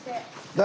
誰？